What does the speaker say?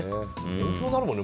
勉強になるもんね。